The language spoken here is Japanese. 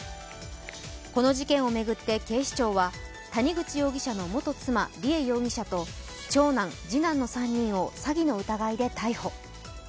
この事件を巡って、警視庁は谷口容疑者の元妻梨恵容疑者と長男、次男の３人を詐欺の疑いで逮捕。